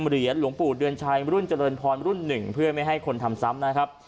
เหรียญหลวงปู่เดือนชัยรุ่นเจริญพรรุ่นหนึ่งเพื่อไม่ให้คนทำซ้ำนะครับ